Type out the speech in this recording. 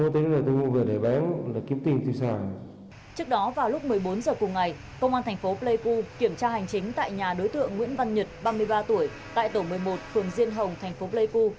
trước đó vào lúc một mươi bốn h cùng ngày công an thành phố pleiku kiểm tra hành chính tại nhà đối tượng nguyễn văn nhật ba mươi ba tuổi tại tổ một mươi một phường diên hồng thành phố pleiku